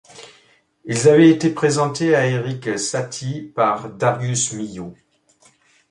Ils avaient été présentés à Erik Satie par Darius Milhaud.